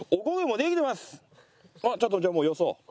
ちょっとじゃあもうよそおう。